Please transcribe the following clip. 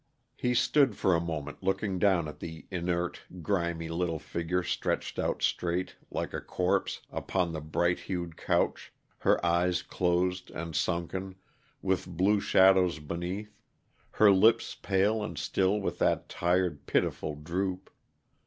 He stood for a moment looking down at the inert, grimy little figure stretched out straight, like a corpse, upon the bright hued couch, her eyes closed and sunken, with blue shadows beneath, her lips pale and still with that tired, pitiful droop.